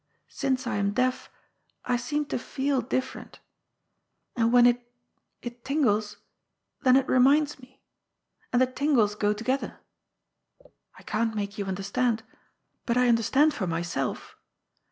Since I am deaf, I seem to feel different. And when it — ^it tingles, then it reminds me. And the tingles go together. I can't make you under stand. Bnt I understand for myself.